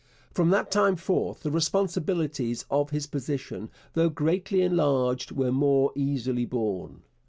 From that time forth the responsibilities of his position, though greatly enlarged, were more easily borne.